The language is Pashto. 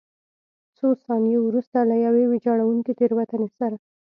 څو ثانیې وروسته له یوې ویجاړوونکې تېروتنې سره.